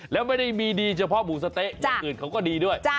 แล้วไม่ได้มีดีเฉพาะหมูสะเต๊ะอย่างอื่นเขาก็ดีด้วย